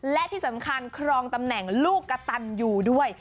และที่สำคัญครองตำแหน่งลูกกระตันอยู่ด้วย